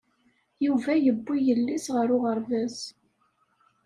Yuba yewwi yelli-s ɣer uɣerbaz.